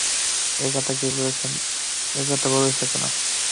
এ কথা বলছ কেন?